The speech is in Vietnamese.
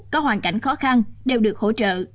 có hoàn cảnh khó khăn đều được hỗ trợ